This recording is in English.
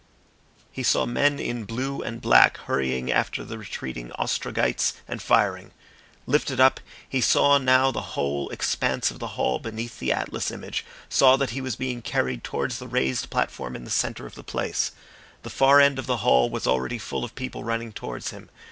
He saw men in blue and black hurrying after the retreating Ostrogites and firing. Lifted up, he saw now across the whole expanse of the hall beneath the Atlas image, saw that he was being carried towards the raised platform in the centre of the place. The far end of the hall was already full of people running towards him.